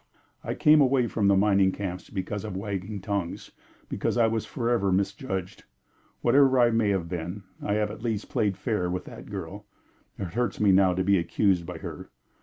"I came away from the mining camps because of wagging tongues because I was forever misjudged. Whatever I may have been, I have at least played fair with that girl; it hurts me now to be accused by her.